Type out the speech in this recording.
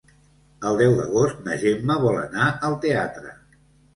El deu d'agost na Gemma vol anar al teatre.